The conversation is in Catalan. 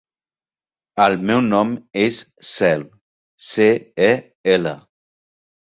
El meu nom és Cel: ce, e, ela.